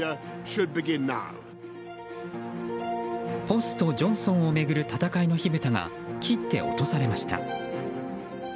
ポストジョンソンを巡る戦いの火ぶたが切って落とされました。